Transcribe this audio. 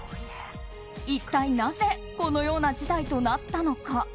一体なぜこのような事態となったのか。